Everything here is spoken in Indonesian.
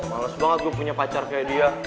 males banget gue punya pacar kayak dia